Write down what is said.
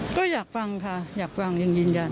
ก็อยากฟังค่ะอยากฟังจริงจัน